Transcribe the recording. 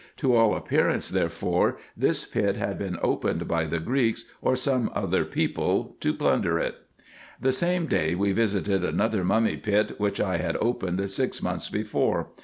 To all appearance therefore this pit had been opened by the Greeks, or some other people to plunder it. The same day we visited another mummy pit, which I had opened six months before.